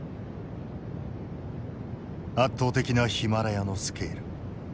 圧倒的なヒマラヤのスケール。